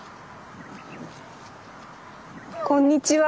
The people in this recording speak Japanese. こんにちは。